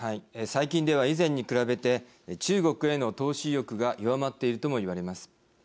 最近では以前に比べて中国への投資意欲が弱まっているとも言われます。